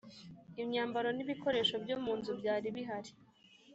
imyambaro n ibikoresho byo mu nzu byari bihari